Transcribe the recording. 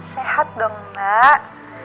sehat dong mbak